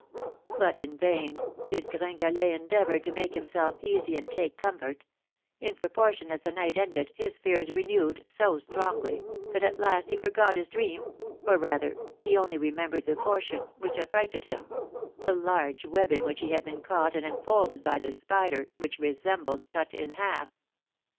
But in vain did Gringalet endeavour to make himself easy and take comfort; in proportion as the night ended, his fears renewed, so strongly, that at last he forgot his dream, or, rather, he only remembered the portion which affrighted him, the large web in which he had been caught and enfolded by the spider which resembled Cut in Half.